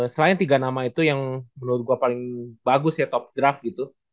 selain tiga nama itu yang menurut gue paling bagus ya top draft gitu